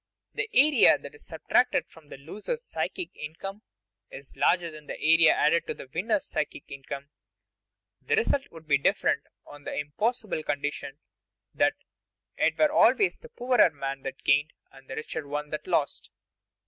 The area that is subtracted from the loser's psychic income is larger than the area added to the winner's psychic income. The result would be different on the impossible condition that it were always the poorer man that gained and the richer one that lost.